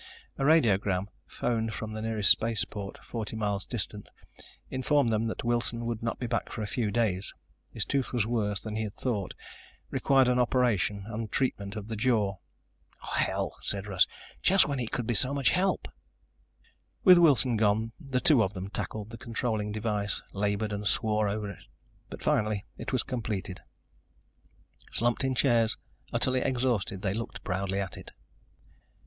A radiogram, phoned from the nearest spaceport, forty miles distant, informed them that Wilson would not be back for a few days. His tooth was worse than he had thought, required an operation and treatment of the jaw. "Hell," said Russ, "just when he could be so much help." With Wilson gone the two of them tackled the controlling device, labored and swore over it. But finally it was completed. Slumped in chairs, utterly exhausted, they looked proudly at it.